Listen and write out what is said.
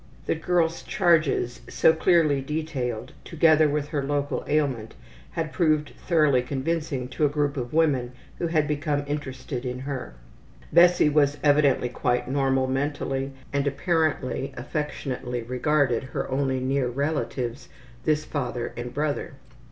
The girl's charges, so clearly detailed, together with her local ailment, had proved thoroughly convincing to a group of women who had become interested in her. Bessie was evidently quite normal mentally and apparently affectionately regarded her only near relatives this father and brother.